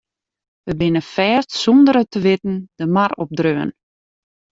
We binne fêst sûnder it te witten de mar opdreaun.